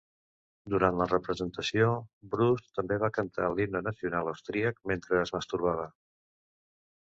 Durant la representació, Brus també va cantar l'himne nacional austríac mentre es masturbava.